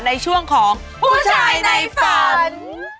ในช่วงของผู้ชายในฝัน